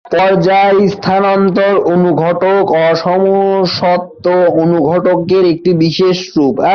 পর্যায়-স্থানান্তর অনুঘটক অসমসত্ব অনুঘটকের একটি বিশেষ রূপ।